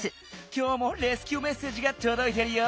きょうもレスキューメッセージがとどいてるよ！